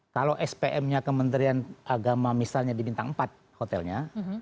kalau spm nya kementerian agama misalnya dibintang empat hotelnya